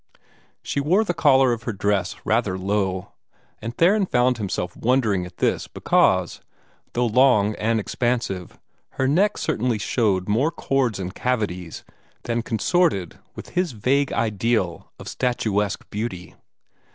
She wore the collar of her dress rather low; and Theron found himself wondering at this, because, though long and expansive, her neck certainly showed more cords and cavities than consorted with his vague ideal of statuesque beauty.